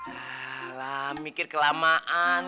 alah mikir kelamaan